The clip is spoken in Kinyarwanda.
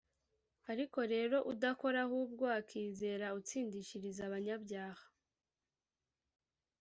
Ariko rero udakora, ahubwo akizera Utsindishiriza abanyabyaha,